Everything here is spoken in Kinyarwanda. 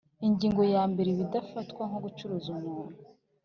Ingingo ya mbere Ibidafatwa nko gucuruza umuntu